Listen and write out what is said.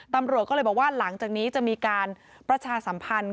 ตำรวจก็เลยบอกว่าหลังจากนี้จะมีการประชาสัมพันธ์